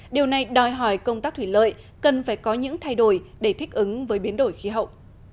điều này đòi hỏi công tác thủy lợi cần phải có những thay đổi để thích ứng với biến đổi khí hậu